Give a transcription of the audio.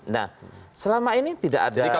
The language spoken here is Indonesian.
nah selama ini tidak ada